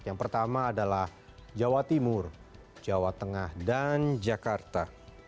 yang pertama adalah jawa timur jawa tengah dan jakarta